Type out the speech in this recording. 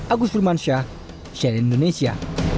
agus rumansyah sien indonesia